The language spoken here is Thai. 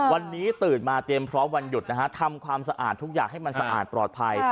วันนี้ตื่นมาเตรียมพร้อมวันหยุดนะฮะทำความสะอาดทุกอย่างให้มันสะอาดปลอดภัย